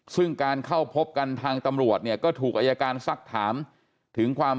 ซึ่งการเข้าพบกันทางตำรวจเนี่ยก็ถูกอายการซักถามถึงความ